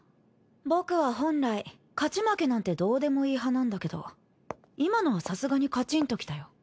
僕は本来勝ち負けなんてどうでもいい派なんだけど今のはさすがにカチンときたよ。